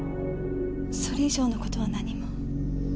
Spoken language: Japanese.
それ以上の事は何も。